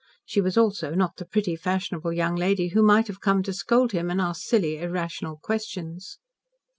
She was also not the pretty, fashionable young lady who might have come to scold him, and ask silly, irrational questions.